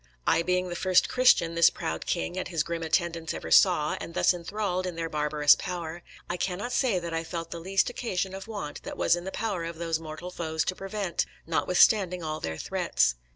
I being the first Christian this proud king and his grim attendants ever saw, and thus enthralled in their barbarous power, I cannot say that I felt the least occasion of want that was in the power of those mortal foes to prevent, notwithstanding all their threats.